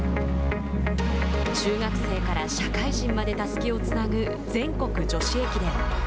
中学生から社会人までたすきをつなぐ、全国女子駅伝。